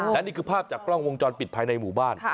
และนี่คือภาพจากกล้องวงจรปิดภายในหมู่บ้าน